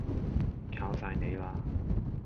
靠晒你啦